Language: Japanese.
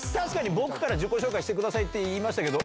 僕から自己紹介してくださいって言いましたけど。